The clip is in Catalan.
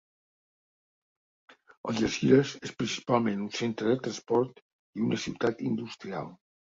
Algesires és principalment un centre de transport i una ciutat industrial.